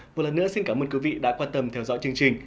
một lần nữa xin cảm ơn quý vị đã quan tâm theo dõi chương trình